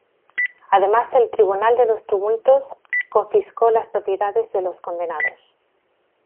Además el Tribunal de los Tumultos confiscó las propiedades de los condenados.